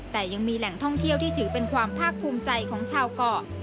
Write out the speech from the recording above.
แต่ยังมีแหล่งท่องเที่ยวที่ถือเป็นความภาคภูมิใจของชาวเกาะ